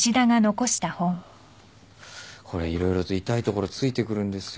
これ色々と痛いところ突いてくるんですよ。